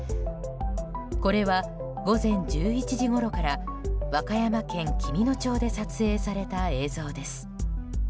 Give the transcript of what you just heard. これは、午前１１時ごろから和歌山県紀美野町で撮影された映像です。